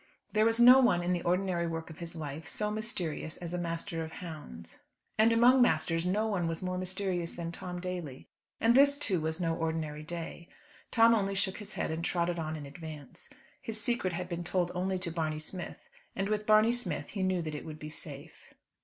There is no one in the ordinary work of his life so mysterious as a master of hounds. And among masters no one was more mysterious than Tom Daly. And this, too, was no ordinary day. Tom only shook his head and trotted on in advance. His secret had been told only to Barney Smith, and with Barney Smith he knew that it would be safe.